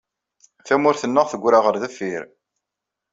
Tamurt-nneɣ teggra ɣer deffir.